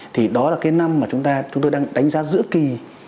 thì đó là năm mà chúng tôi đang đánh giá giữa kỳ